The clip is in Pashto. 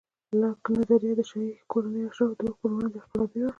لاک نظریه د شاهي کورنیو او اشرافو د واک پر وړاندې انقلابي وه.